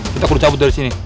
kita perlu cabut dari sini